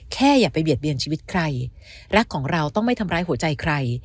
อย่าไปเบียดเบียนชีวิตใครรักของเราต้องไม่ทำร้ายหัวใจใคร